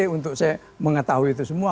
untuk saya mengetahui itu semua